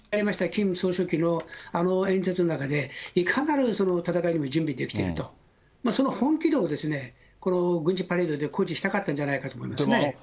キム総書記のあの演説の中で、いかなる戦いにも準備できていると、その本気度を、この軍事パレードで誇示したかったんじゃないかと思いますね。